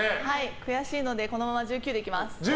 悔しいのでこのまま１９でいきます。